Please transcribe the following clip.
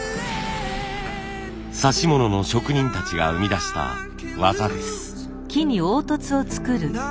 指物の職人たちが生み出した技です。